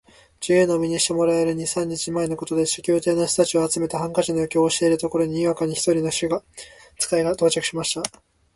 自由の身にしてもらえる二三日前のことでした。宮廷の人たちを集めて、ハンカチの余興をしているところへ、にわかに一人の使が到着しました。